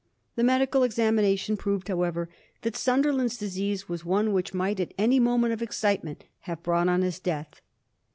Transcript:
The medical examination proved, however, that Sunderland's disease was one which might at any moment of excitement have brought on his death.